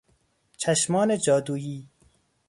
چشمان جادویی